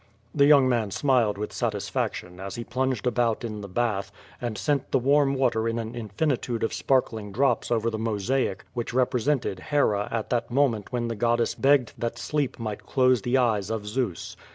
The young man smiled with satisfaction, as he plunged about in the bath, and sent the warm water in an infinitude of sparkling drops over the mosaic which represented Hera at that moment when the goddess begged that sleep might close the eyes of Zeus.